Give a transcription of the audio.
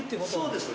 そうです。